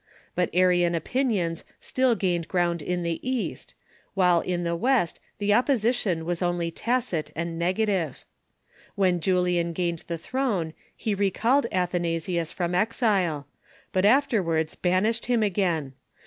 But Arian opinions still gained ground in the East, while in the West the opposition was only tacit and negative. When Julian gained the throne he recalled Atbanasius from exile, but afterwards banished him again.